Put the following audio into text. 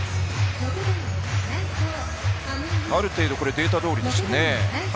ある程度、データどおりですね。